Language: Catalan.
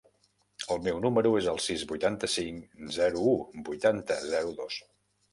El meu número es el sis, vuitanta-cinc, zero, u, vuitanta, zero, dos.